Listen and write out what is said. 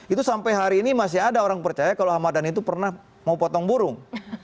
itu sampai hari ini masih ada orang percaya kalau ahmad dhani itu pernah mau potong burung